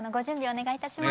お願いいたします。